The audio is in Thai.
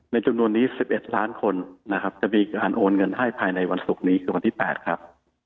จำนวนนี้๑๑ล้านคนนะครับจะมีการโอนเงินให้ภายในวันศุกร์นี้คือวันที่๘ครับ